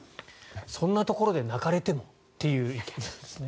そんなところで泣かれてもという意見ですね。